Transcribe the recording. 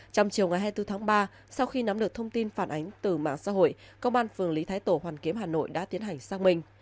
trong chiều ngày hai mươi bốn tháng ba sau khi nắm được thông tin phản ánh từ mạng xã hội công an phường lý thái tổ hoàn kiếm hà nội đã tiến hành xác minh